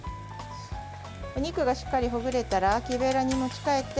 お肉がしっかりほぐれたら木べらに持ち替えて